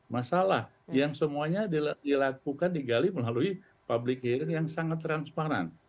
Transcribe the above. masalah yang semuanya dilakukan digali melalui public hearing yang sangat transparan